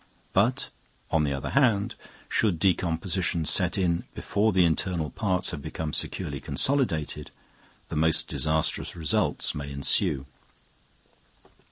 But, on the other hand, should decomposition set in before the internal parts have become securely consolidated, the most disastrous results may ensue.